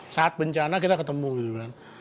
saat bencana kita ketemu gitu kan